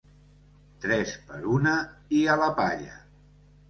Tres per una i a la palla.